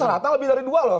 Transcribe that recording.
serata lebih dari dua loh